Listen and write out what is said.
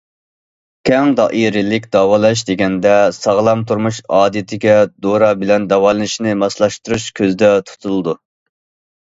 كەڭ دائىرىلىك داۋالاش دېگەندە، ساغلام تۇرمۇش ئادىتىگە دورا بىلەن داۋالىنىشنى ماسلاشتۇرۇش كۆزدە تۇتۇلىدۇ.